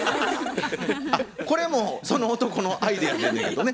これもその男のアイデアやねんけどね。